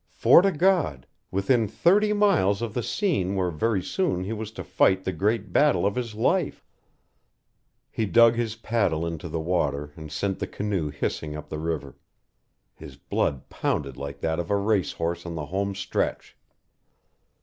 Fort o' God within thirty miles of the scene where very soon he was to fight the great battle of his life! He dug his paddle into the water and sent the canoe hissing up the river. His blood pounded like that of a racehorse on the home stretch.